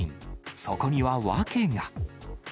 そこには訳が。